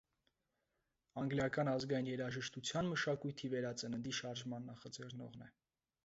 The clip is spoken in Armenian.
Անգլիական ազգային երաժշտության մշակույթի վերածննդի շարժման նախաձեռնողն է։